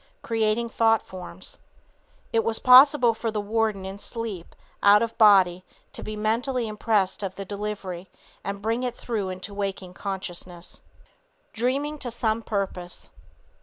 (Creating thought forms.) It was possible for the warden in sleep, out of his body, to be mentally impressed of the delivery and bring it through into waking consciousness. DREAMING TO SOME PURPOSE.